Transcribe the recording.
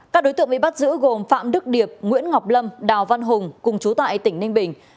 các đối tượng bị bắt giữ gồm phạm đức điệp nguyễn ngọc lâm đào văn hùng cùng chú tại tỉnh ninh bình